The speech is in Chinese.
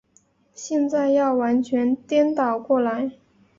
现在要完全颠倒过来。